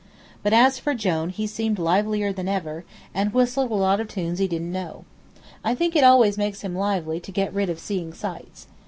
But as for Jone, he seemed livelier than ever, and whistled a lot of tunes he didn't know. I think it always makes him lively to get rid of seeing sights.